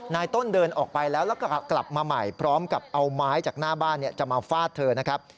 ต้นเดินออกไปแล้วแล้วก็กลับมาใหม่พร้อมกับเอาไม้จากหน้าบ้านจะมาฟาดเธอนะครับ